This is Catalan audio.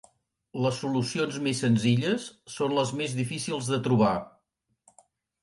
Les solucions més senzilles són les més difícils de trobar.